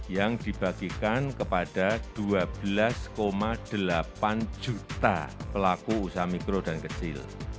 yang dibagikan kepada dua belas delapan juta pelaku usaha mikro dan kecil